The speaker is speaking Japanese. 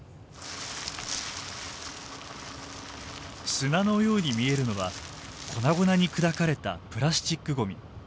砂のように見えるのは粉々に砕かれたプラスチックごみ。